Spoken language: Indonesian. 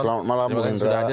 selamat malam pak indra